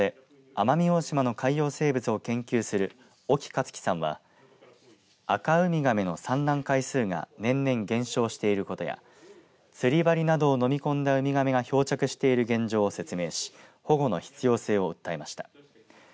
このなかで奄美大島の海洋性物を研究する興克樹さんはアカウミガメの産卵回数が年々減少していることや釣り針などを飲み込んだウミガメが漂着している現状を説明し保護の必要性を訴えました。